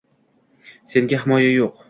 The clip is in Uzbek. Senga himoya yo’q